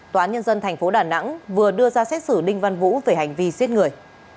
tòa án nhân dân tp đà nẵng vừa đưa ra xét xử đinh văn vũ về hành vi giết người